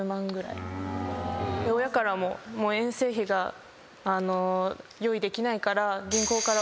親からももう遠征費が用意できないから。